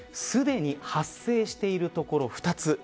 すでに発生しているところ２つ。